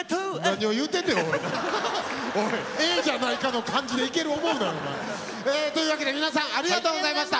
「ええじゃないか」の感じでいける思うなよ。というわけで皆さんありがとうございました。